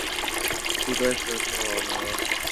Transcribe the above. His wife was Tawannanna.